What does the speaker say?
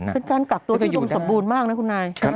ในสิ่งนั้นการกับตัวที่ดูสบูรณ์มากนะคุณนาย